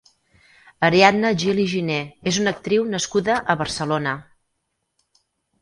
Ariadna Gil i Giner és una actriu nascuda a Barcelona.